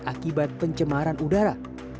akibat pencemaran udara